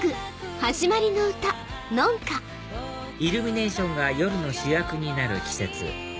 イルミネーションが夜の主役になる季節